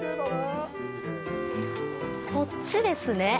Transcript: こっちですね。